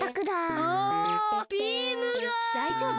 だいじょうぶ？